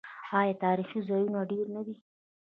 آیا تاریخي ځایونه یې ډیر نه دي؟